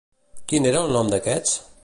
Quin era el nom d'aquests?